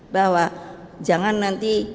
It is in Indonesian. bahwa jangan nanti